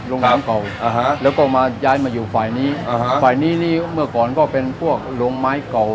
ลงน้ำเก่าอ่าฮะแล้วก็มาย้ายมาอยู่ฝ่ายนี้อ่าฮะฝ่ายนี้นี้เมื่อก่อนก็เป็นพวกโรงไม้เก่า